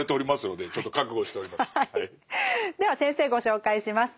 では先生ご紹介します。